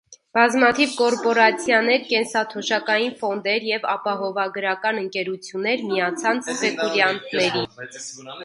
Բազմաթիվ կորպորացիաներ, կենսաթոշակային ֆոնդեր և ապահովագրական ընկերություններ միացան սպեկուլյանտներին։